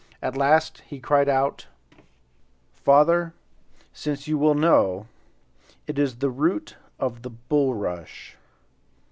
At last he cried out: "Father, since you will know, it is the root of the bulrush."